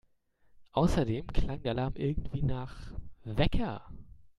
Außerdem klang der Alarm irgendwie nach … Wecker!